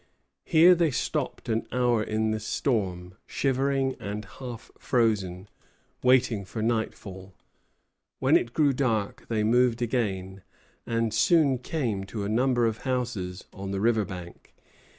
Here they stopped an hour in the storm, shivering and half frozen, waiting for nightfall. When it grew dark they moved again, and soon came to a number of houses on the river bank.